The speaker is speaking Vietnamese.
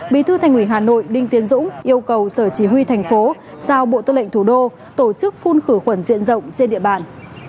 bí thư thành ủy hà nội đinh tiến dũng yêu cầu sở chỉ huy thành phố giao bộ tư lệnh thủ đô tổ chức phun khử khuẩn diện rộng trên địa bàn